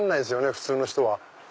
普通の人は。